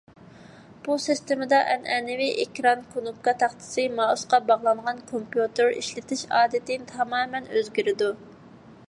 بۇ سىستېمىدا ئەنئەنىۋى ئېكران، كونۇپكا تاختىسى، مائۇسقا باغلانغان كومپيۇتېر ئىشلىتىش ئادىتى تامامەن ئۆزگىرىدۇ.